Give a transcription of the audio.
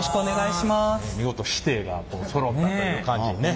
見事師弟がそろったという感じにね。